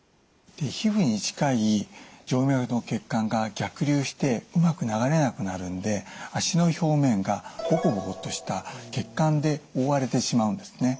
皮膚に近い静脈の血管が逆流してうまく流れなくなるんで脚の表面がボコボコとした血管で覆われてしまうんですね。